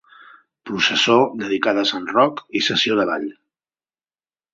Processó dedicada a Sant Roc i sessió de ball.